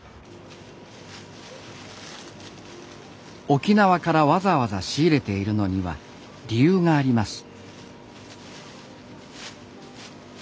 沖縄からわざわざ仕入れているのには理由があります。